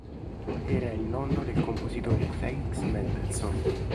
Era il nonno del compositore Felix Mendelssohn.